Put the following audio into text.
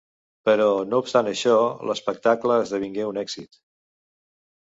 Però, no obstant això, l'espectacle esdevingué un èxit.